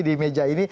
di meja ini